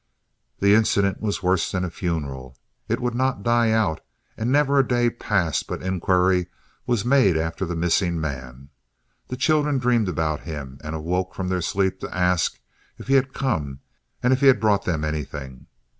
The incident was worse than a funeral; it would not die out, as never a day passed but inquiry was made after the missing man; the children dreamed about him, and awoke from their sleep to ask if he had come and if he had brought them anything.